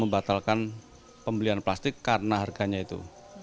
membatalkan pembelian plastik karena harganya itu